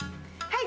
はい。